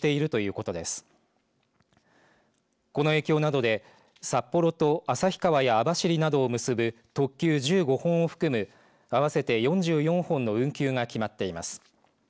この影響などで札幌と旭川や網走などを結ぶ特急１５本を含む合わせて４４本の運休が決まっています。